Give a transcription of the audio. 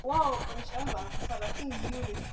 kuwa kasi ya Anacconda kwenye maji kubwa